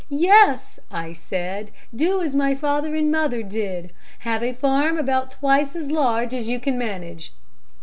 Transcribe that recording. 'Yes,' I said, 'Do as my father and mother did. Have a farm about twice as large as you can manage.